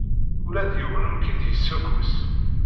Ula d yiwen ur k-id-yessukkus.